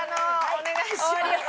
お願いします。